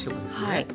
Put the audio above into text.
はい。